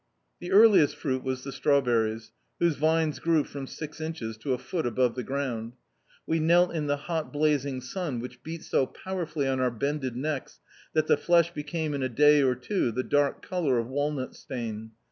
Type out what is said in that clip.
The earliest fruit was the strawberries, whose vines grew from six inches to a foot above the ground. We knelt in the hot blazing sun which beat so pow erfully on our bended necks that the flesh became in a day or two the dark colour of walnut stain.